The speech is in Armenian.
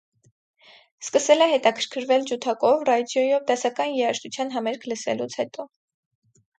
Սկսել է հետաքրքրվել ջութակով ռադիոյով դասական երաժտության համերգ լսելուց հետո։